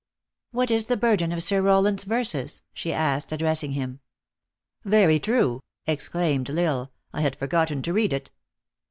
" What is the burden of Sir Rowland s verses ?" she asked, addressing him. "Very true!" exclaimed L Isle; "I had forgotten to read it."